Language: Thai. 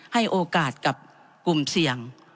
ให้โอกาสกับกลุ่มเสี่ยง